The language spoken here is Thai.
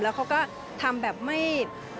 แล้วเขาก็ทำแบบไม่